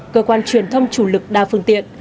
cơ quan truyền thông chủ lực đa phương tiện